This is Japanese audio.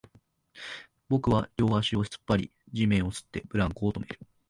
僕は両足を突っ張り、地面を擦って、ブランコを止める